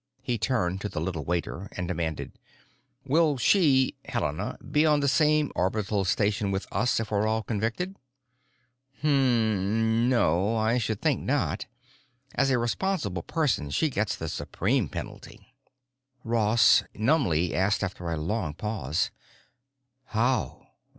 He turned to the little waiter and demanded: "Will she—Helena—be on the orbital station with us if we're all convicted?" "Hmm—no, I should think not. As a responsible person, she gets the supreme penalty." Ross numbly asked after a long pause, "How?